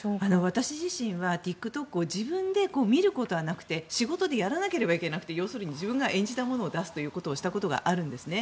私自身はＴｉｋＴｏｋを自分で見ることはなくて仕事でやらなければいけなくて要するに自分が演じたものを出すということをしたことがあるんですね。